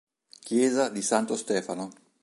Chiesa di Santo Stefano